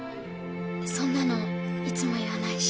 そんなのいつも言わないし。